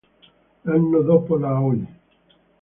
L'anno dopo la Oi!